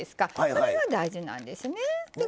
それが大事なんですね。